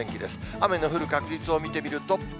雨の降る確率を見てみると。